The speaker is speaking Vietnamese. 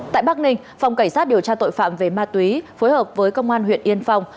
tại bắc ninh phòng cảnh sát điều tra tội phạm về ma túy phối hợp với công an huyện yên phong